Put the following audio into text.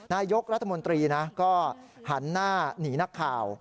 นายกรัฐมนตรีนะก็หันหน้าหนีนักข่าว